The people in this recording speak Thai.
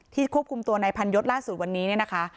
ควบคุมตัวในพันยศล่าสุดวันนี้เนี่ยนะคะ